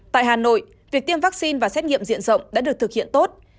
tại hà nội việc tiêm vaccine và xét nghiệm diện rộng đã được thực hiện tốt